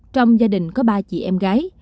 trong gia đình có ba chị em gái